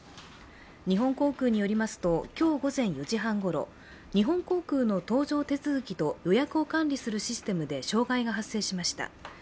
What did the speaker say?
日本航空によりますと、今日午前４時半ごろ日本航空の搭乗手続きと予約を管理するシステムで障害が発生しました。